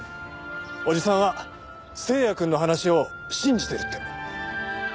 おじさんは星也くんの話を信じてるって。